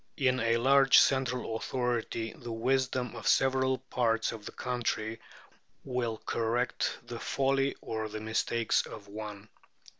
In a large central authority the wisdom of several parts of the country will correct the folly or the mistakes of one.